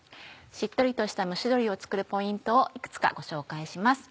しっとりとした蒸し鶏を作るポイントをいくつかご紹介します。